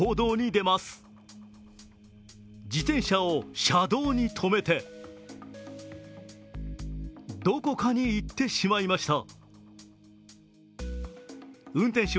自転車を車道に止めて、どこかに行ってしまいました。